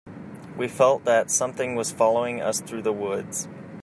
We felt that something was following us through the woods.